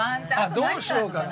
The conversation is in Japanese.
「どうしようかな」。